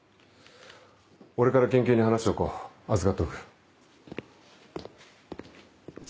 俺から県警に話しておこう預かっておく。